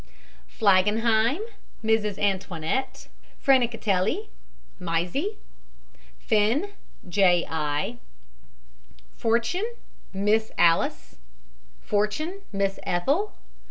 FLAGENHEIM, MRS. ANTOINETTE. FRANICATELLI, MISY. FYNN, J. I. FORTUNE, MISS ALICE FORTUNE, MISS ETHEL.